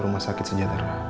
rumah sakit sejater